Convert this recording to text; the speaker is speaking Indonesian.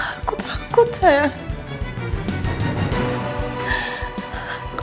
aku takut sayang